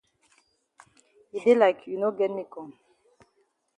E dey like you no get me kong